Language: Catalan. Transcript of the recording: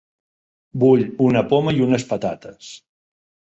Vull una poma i unes patates.